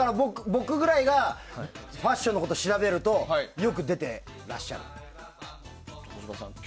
僕ぐらいがファッションのことを調べるとよく出てらっしゃる。